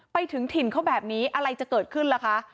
ไปถึงถิ่นเขาแบบนี้อะไรจะเกิดขึ้นล่ะคะ